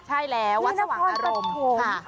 ใช่แล้ววัฒว์หวังอารมณ์